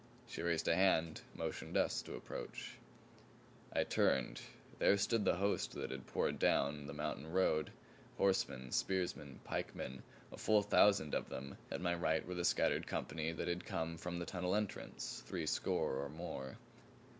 She raised a hand, motioned us to approach. I turned. There stood the host that had poured down the mountain road, horsemen, spearsmen, pikemen a full thousand of them. At my right were the scattered company that had come from the tunnel entrance, threescore or more.